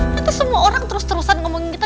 nanti semua orang terus terusan ngomongin kita